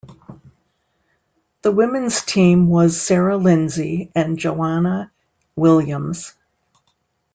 The women's team was Sarah Lindsay and Joanna Williams.